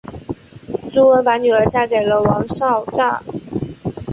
朱温把女儿嫁给了王昭祚。